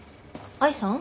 愛さん？